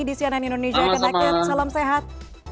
di cnn indonesia akan akan salam sehat